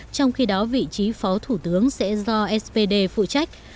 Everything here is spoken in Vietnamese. trong khi đó vị trí phó thủ tướng sẽ do spd phụ trách